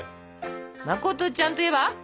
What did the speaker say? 「まことちゃん」といえば？